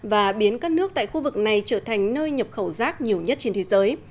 và biến các nước tại khu vực này trở thành nơi nhập khẩu rác nhiều nhất trên thế giới